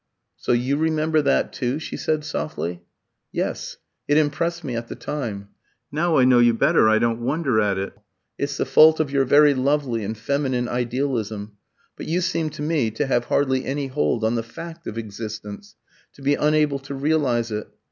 "So you remember that too?" she said, softly. "Yes; it impressed me at the time. Now I know you better I don't wonder at it. It's the fault of your very lovely and feminine idealism, but you seem to me to have hardly any hold on the fact of existence, to be unable to realise it.